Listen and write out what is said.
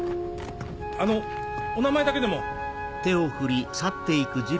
あのお名前だけでも。